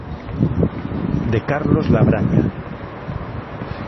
De Carlos Labraña.